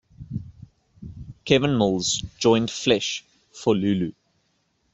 Kevin Mills joined Flesh for Lulu.